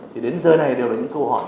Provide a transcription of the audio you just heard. thì đến giờ này đều là những câu hỏi